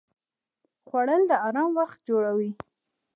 خوړل د آرام وخت جوړوي